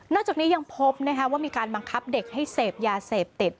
จากนี้ยังพบว่ามีการบังคับเด็กให้เสพยาเสพติด